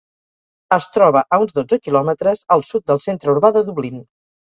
Es troba a uns dotze quilòmetres al sud del centre urbà de Dublín.